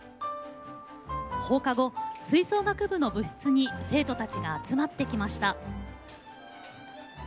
放課後、吹奏楽部の部室に生徒たちが集まってきました。